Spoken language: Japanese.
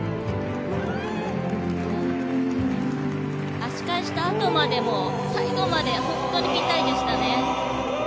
足換えしたあとまでも最後まで本当にぴったりでした。